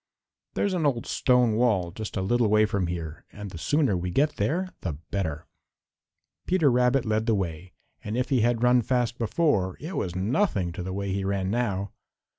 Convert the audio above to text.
There's an old stone wall just a little way from here, and the sooner we get there the better!" Peter Rabbit led the way, and if he had run fast before it was nothing to the way he ran now.